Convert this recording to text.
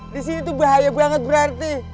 disini tuh bahaya banget berarti